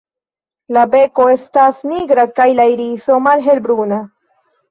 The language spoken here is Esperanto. La beko estas nigra kaj la iriso malhelbruna.